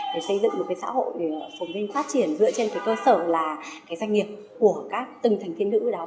để xây dựng một xã hội phổng viên phát triển dựa trên cơ sở doanh nghiệp của các từng thành viên nữ đó